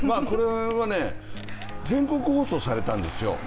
これは全国放送されたんですよ。